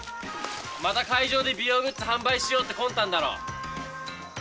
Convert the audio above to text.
また会場で美容グッズ販売しようって魂胆だろう。